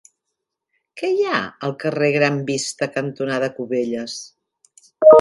Què hi ha al carrer Gran Vista cantonada Cubelles?